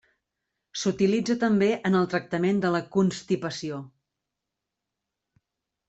S'utilitza també en el tractament de la constipació.